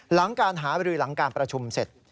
หลังการหาบรือหลังการประชุมเสร็จ